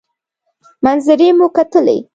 منظرې مو کتلې.